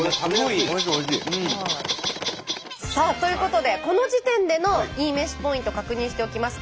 さあということでこの時点でのいいめしポイント確認しておきます。